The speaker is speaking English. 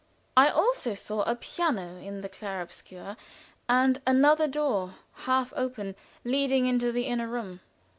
I also saw a piano in the clare obscure, and another door, half open, leading into the inner room.